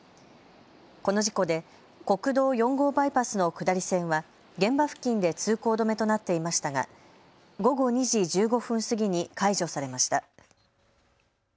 この事故で国道４号バイパスの下り線は現場付近で通行止めとなっていましたが午後２時１５分過ぎに解除されました。